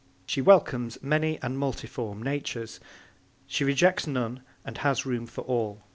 She welcomes many and multiform natures. She rejects none and has room for all.